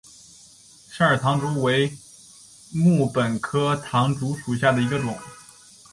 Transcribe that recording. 肾耳唐竹为禾本科唐竹属下的一个种。